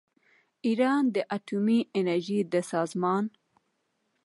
ایران د اتومي انرژۍ د سازمان